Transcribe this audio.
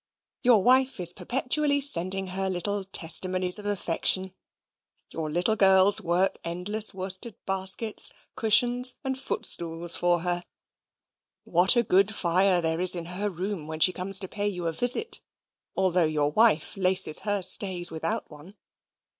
Your wife is perpetually sending her little testimonies of affection, your little girls work endless worsted baskets, cushions, and footstools for her. What a good fire there is in her room when she comes to pay you a visit, although your wife laces her stays without one!